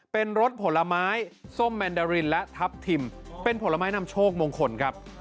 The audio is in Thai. เป็นรสผลไม้ส้มแมนดารินและทัพทิมเป็นผลไม้นำโชคมงคลครับ